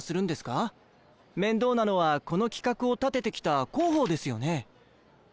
面倒なのはこの企画を立ててきた広報ですよね？